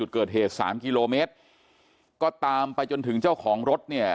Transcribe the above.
เกิดเหตุ๓กิโลเมตรก็ตามไปจนถึงเจ้าของรถ